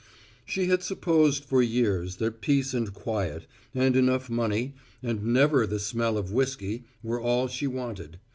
She had supposed for years that peace and quiet, and enough money, and never the smell of whiskey were all she wanted.